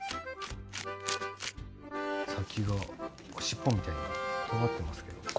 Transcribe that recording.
先が尻尾みたいにとがってますけど。